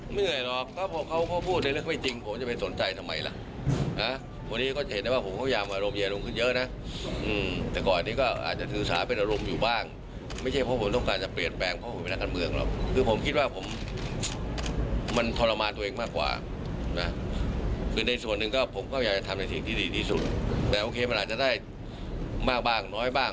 มากบ้างน้อยบ้างสำเร็จบ้างมากบ้าง